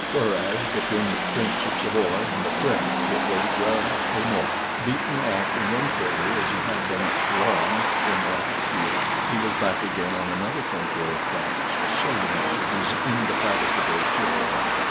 Whereas between the Prince of Savoy and the French it was guerre a mort. Beaten off in one quarter, as he had been at Toulon in the last year, he was back again on another frontier of France, assailing it with his indefatigable fury.